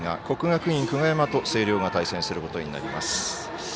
国学院久我山と星稜が対戦することになります。